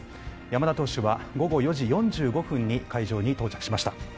山田投手は午後４時４５分に会場に到着しました。